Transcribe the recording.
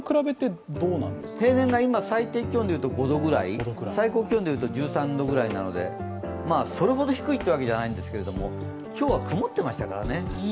平年が最高気温でいうと５度くらい最高気温でいうと１３度くらいなのでそれほど低いってわけじゃないんですけど今日は曇ってましたからね。